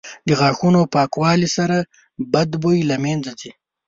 • د غاښونو پاکوالي سره بد بوی له منځه ځي.